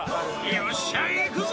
「よっしゃ行くぜ！」